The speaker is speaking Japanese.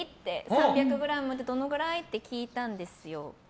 ３００ｇってどのくらい？って聞いたんですよ。